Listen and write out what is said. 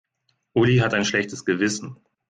Uli hat ein schlechtes Gewissen.